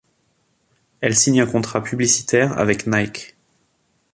Elle signe un contrat publicitaire avec Nike.